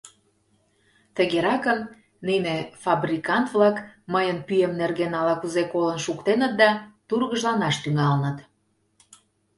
Тыгеракын, нине фабрикант-влак мыйын пӱем нерген ала-кузе колын шуктеныт да тургыжланаш тӱҥалыныт.